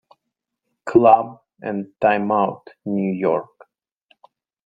Club" and "Time Out" New York.